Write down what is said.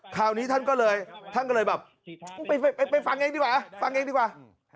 คราวนี้ท่านก็เลยท่านก็เลยแบบไปฟังเองดีกว่าฟังเองดีกว่า